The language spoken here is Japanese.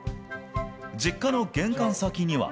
実家の玄関先には。